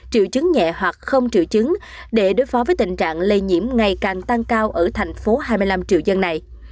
triệu chứng nhẹ hoặc không triệu chứng để đối phó với tình trạng lây nhiễm ngày càng tăng cao ở thành phố hai mươi năm triệu dân này